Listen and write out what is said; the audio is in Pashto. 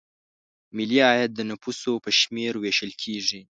ملي عاید د نفوسو په شمېر ویشل کیږي.